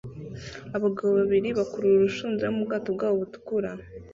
Abagabo babiri bakurura urushundura mu bwato bwabo butukura